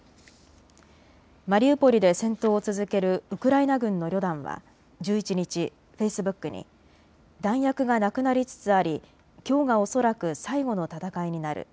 マリウポリで戦闘を続けるウクライナ軍の旅団は１１日、フェイスブックに弾薬がなくなりつつありきょうが恐らく最後の戦いになる。